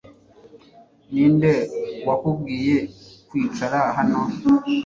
Ninde wakubwiye kwicara hano